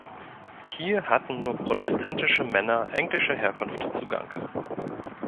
Hier hatten nur protestantische Männer englischer Herkunft Zugang.